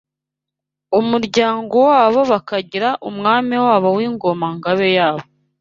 umuryango wabo bakagira Umwami wabo n’Ingoma–Ngabe yabo